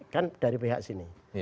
kan dari pihak sini